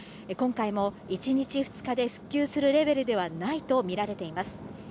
今回も１日、２日で復旧するレベルではないと見られています。